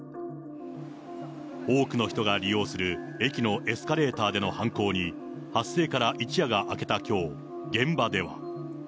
多くの人が利用する駅のエスカレーターでの犯行に、発生から一夜が明けたきょう、現場では。